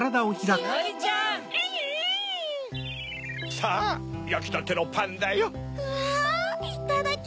さぁやきたてのパンだよ。